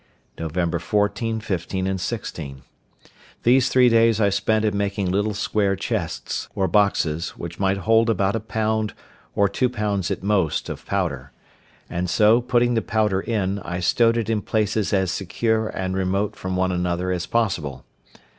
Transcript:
Nov. 14, 15, 16.—These three days I spent in making little square chests, or boxes, which might hold about a pound, or two pounds at most, of powder; and so, putting the powder in, I stowed it in places as secure and remote from one another as possible.